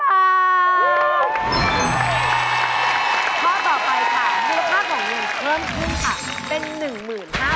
ธุรกษาของเงินเพิ่มขึ้นค่ะ